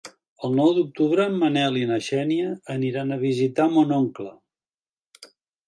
El nou d'octubre en Manel i na Xènia aniran a visitar mon oncle.